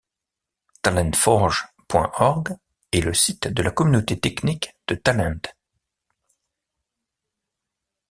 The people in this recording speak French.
Talendforge.org est le site de la communauté technique de Talend.